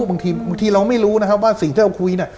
บางทีเราไม่รู้นะครับว่าสิ่งที่เราคุยเนี่ย